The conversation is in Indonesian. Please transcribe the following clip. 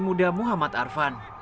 pemain muda muhammad arfan